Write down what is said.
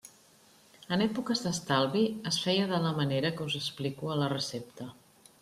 En èpoques d'estalvi es feia de la manera que us explico a la recepta.